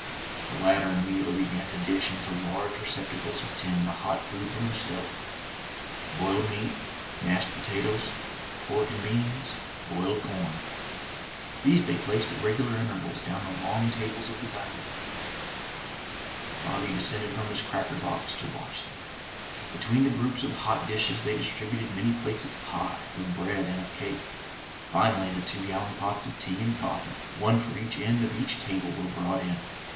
The latter immediately began to dish into large recep tacles of tin the hot food from the stove — ^boiled meat, mashed potatoes, pork and beans, boiled com. These they placed at regular intervals down the long tables of the dining room. Bobby descended from his cracker box to watch them. Between the groups of hot dishes they distributed many plates of pie, of bread and of cake. Finally the two gallon pots of tea and coffee, one for each end of each table, were brought in.